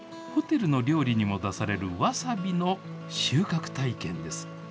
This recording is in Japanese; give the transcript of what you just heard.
ホテルの料理にも出されるワサビの収穫体験です。